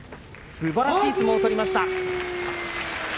すばらしい相撲を取りました。